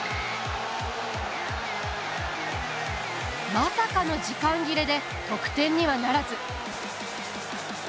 まさかの時間切れで得点にはならず。